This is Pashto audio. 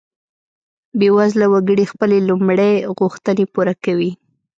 بیوزله وګړي خپلې لومړۍ غوښتنې پوره کوي.